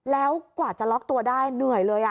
แล้วกว่าจะล็อกตัวได้เหนื่อยเลย